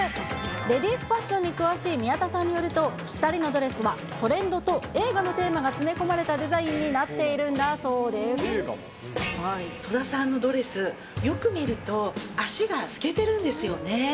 レディースファッションに詳しい宮田さんによると、２人のドレスはトレンドと映画のテーマが詰め込まれたデザインに戸田さんのドレス、よく見ると、足が透けてるんですよね。